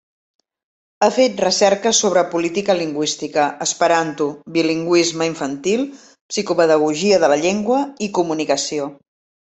Ha fet recerca sobre política lingüística, esperanto, bilingüisme infantil, psicopedagogia de la llengua i comunicació.